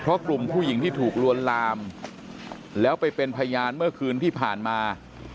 เพราะกลุ่มผู้หญิงที่ถูกลวนลามแล้วไปเป็นพยานเมื่อคืนที่ผ่านมา